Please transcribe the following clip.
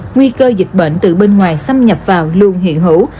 nguy cơ dịch bệnh từ bên ngoài xâm nhập vào luôn hiện hữu